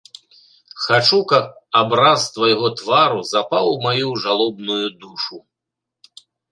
Хачу, каб абраз твайго твару запаў у маю жалобную душу.